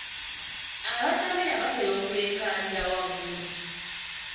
Abatamiira batera okuleekaanira waggulu.